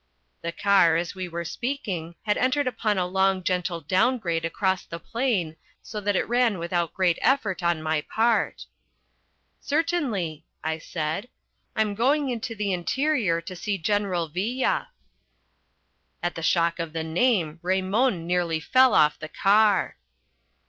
The car, as we were speaking, had entered upon a long gentle down grade across the plain, so that it ran without great effort on my part. "Certainly," I said. "I'm going into the interior to see General Villa!" At the shock of the name, Raymon nearly fell off the car.